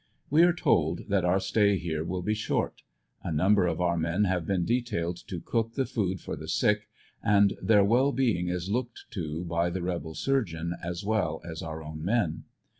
We are told that our stay here will be short A number of our men have been detailed to cook the food for the sick, and their well being is looked to by the rebel surgeon as well as our own men.